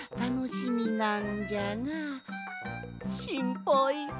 しんぱい。